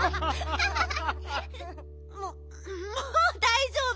ももうだいじょうぶ。